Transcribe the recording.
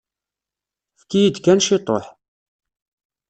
Efk-iyi-d kan ciṭuḥ.